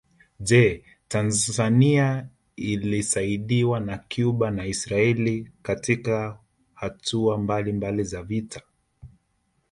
Je Tanzania ilisaidiwa na Cuba na Israeli Katika hatua mbalimbali za vita